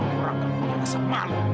mereka merasa malu